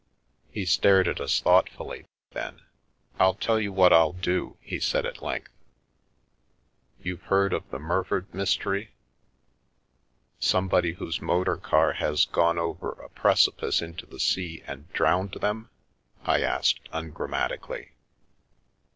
He stared at us thoughtfully, then :" I'll tell you what I'll do," he said at length. " You've heard of the Mur ford mystery?" " Somebody whose motor car has gone over a preci pice into the sea and drowned them ?" I asked un grammatically.